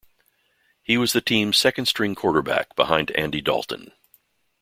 He was the team's second-string quarterback behind Andy Dalton.